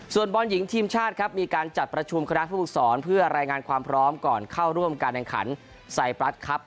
ส่วนบอลหญิงทีมชาติครับมีการจัดประชุมคณะผู้ฝึกศรเพื่อรายงานความพร้อมก่อนเข้าร่วมการแข่งขันไซปรัสครับ